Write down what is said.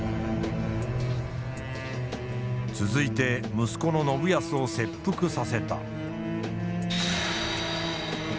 続いて息子の信康を切腹させた。